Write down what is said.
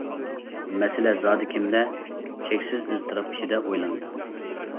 مەسىلە زادى كىمدە؟ چەكسىز ئىزتىراپ ئىچىدە ئويلاندىم.